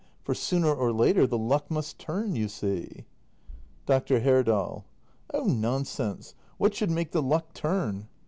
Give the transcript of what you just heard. For sooner or later the luck must turn, you see. Dr. Herdal. Oh nonsense! What should make the luck turn?